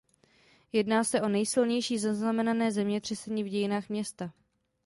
Jedná se o nejsilnější zaznamenané zemětřesení v dějinách města.